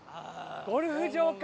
ゴルフ場か。